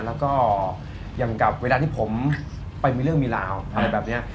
แล้วก็อย่างกับเวลาที่ผมไปมีเรื่องมีราวอะไรแบบนี้